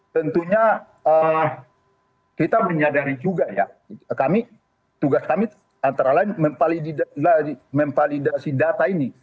tentunya kita menyadari juga ya kami tugas kami antara lain memvalidasi data ini